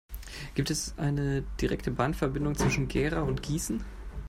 Gibt es eine direkte Bahnverbindung zwischen Gera und Gießen?